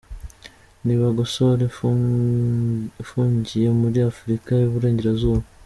Ni Bagosora ufungiye muri Afurika y’uburengerazuba?